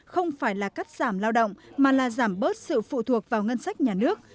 không phải là cắt giảm lao động mà là giảm bớt sự phụ thuộc vào ngân sách nhà nước